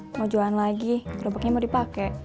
mau jualan lagi gerobaknya mau dipake